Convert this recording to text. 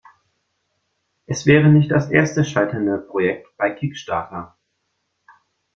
Es wäre nicht das erste scheiternde Projekt bei Kickstarter.